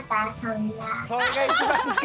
それが一番か。